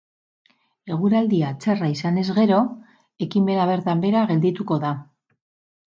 Eguraldia txarra izanez gero, ekimena bertan behera geldituko da.